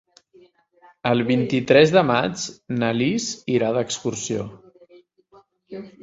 El vint-i-tres de maig na Lis irà d'excursió.